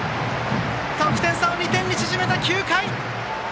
得点差を２点に縮めた、９回！